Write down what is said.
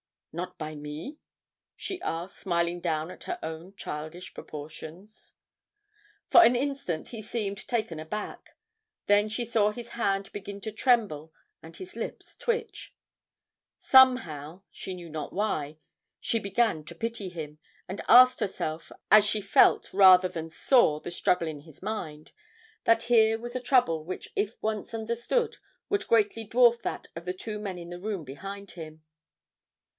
"Not by me?" she asked, smiling down at her own childish proportions. For an instant he seemed taken aback, then she saw his hand begin to tremble and his lips twitch. Somehow she knew not why she began to pity him, and asked herself as she felt rather than saw the struggle in his mind, that here was a trouble which if once understood would greatly dwarf that of the two men in the room behind them.